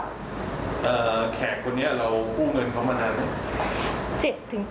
แขกคนนี้เรากู้เงินเขามานานไหม